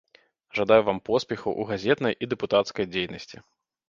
Жадаю вам поспехаў у газетнай і дэпутацкай дзейнасці!